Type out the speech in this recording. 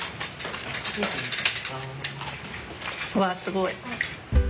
うわすごい。